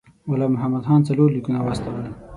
غلام محمد خان څلور لیکونه واستول.